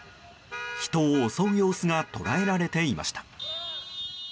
人を襲う様子が捉えられていました。